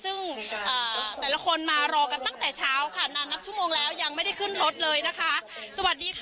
ซึ่งแต่ละคนมารอกันตั้งแต่เช้าค่ะนานนับชั่วโมงแล้วยังไม่ได้ขึ้นรถเลยนะคะสวัสดีค่ะ